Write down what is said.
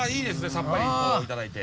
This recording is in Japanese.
さっぱりといただいて。